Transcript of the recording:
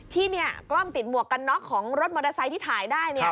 ที่เนี่ยกล้องติดหมวกกันน็อกของรถมอเตอร์ไซค์ที่ถ่ายได้